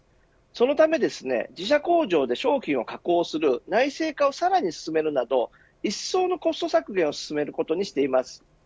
そのため自社工場で商品を加工する内製化をさらに進めるなどいっそうのコスト削減を進めることにしています。